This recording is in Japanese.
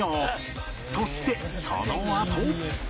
そしてそのあと